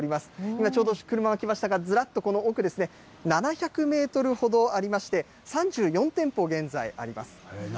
今ちょうど、車が来ましたが、ずらっとこの奥、７００メートルほどありまして、３４店舗ほど現在あります。